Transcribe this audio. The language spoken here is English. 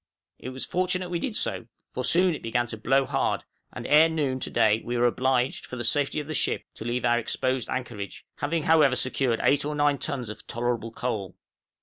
It was fortunate we did so, for soon it began to blow hard; and ere noon to day we were obliged, for the safety of the ship, to leave our exposed anchorage, having however secured eight or nine tons of tolerable coal.